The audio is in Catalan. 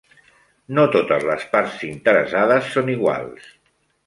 No totes les parts interessades són iguals.